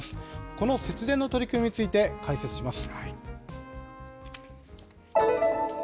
この節電の取り組みについて解説します。